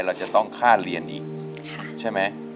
เราจะต้องค่าเรียนอีกใช่ไหม